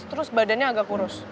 terus badannya agak kurus